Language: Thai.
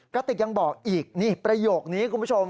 กระติกยังบอกอีกนี่ประโยคนี้คุณผู้ชม